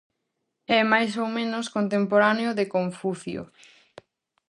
É máis ou menos contemporáneo de Confucio.